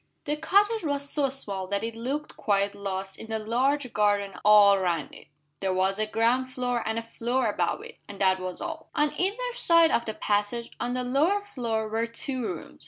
The cottage was so small that it looked quite lost in the large garden all round it. There was a ground floor and a floor above it and that was all. On either side of the passage, on the lower floor, were two rooms.